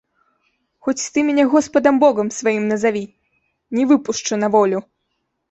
Хоць ты мяне госпадам богам сваім назаві, не выпушчу на волю!